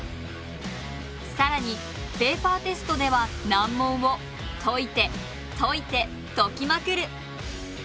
更にペーパーテストでは難問を解いて解いて解きまくる！